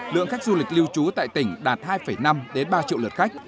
lượng khách du lịch lưu trú tại tỉnh đạt hai năm ba triệu lượt khách